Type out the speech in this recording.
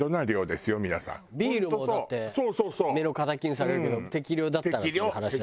ビールもだって目の敵にされるけど適量だったらっていう話だしね。